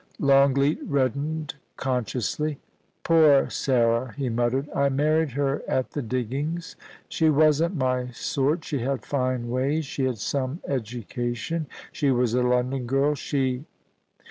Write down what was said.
1 39 « Longleat reddened consciously. * Poor Sarah!' he muttered ;* I married her at the diggings. She wasn't my sort; she had fine ways. She had some education — she was a London girl — she.